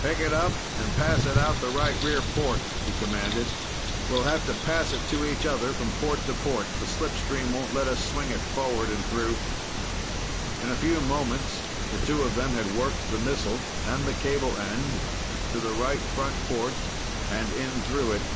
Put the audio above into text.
"Pick it up and pass it out the right rear port," he commanded. "We'll have to pass it to each other from port to port. The slipstream won't let us swing it forward and through." In a few moments, the two of them had worked the missile and the cable end to the right front port and in through it.